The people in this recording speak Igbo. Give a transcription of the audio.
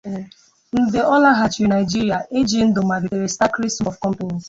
Mgbe ọ laghachiri Naịjirịa, Ejindu malitere Starcrest Group of companies.